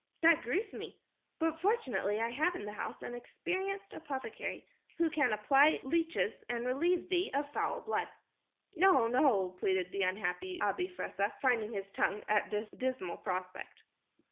"That grieves me. But, fortunately, I have in the house an experienced apothecary who can apply leeches and relieve thee of foul blood." "No, no," pleaded the unhappy Abi Fressah, finding his tongue at this dismal prospect.